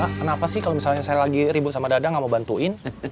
kenapa sih kalau misalnya saya lagi ribut sama dada nggak mau bantuin